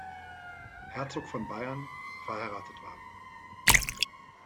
Herzog von Bayern, verheiratet war.